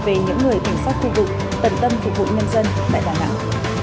về những người tỉnh sát khu vực tần tâm phục vụ nhân dân tại đà nẵng